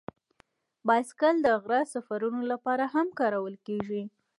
بایسکل د غره سفرونو لپاره هم کارول کېږي.